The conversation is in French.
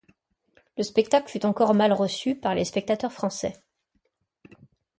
Le spectacle fut encore mal reçu par les spectateurs français.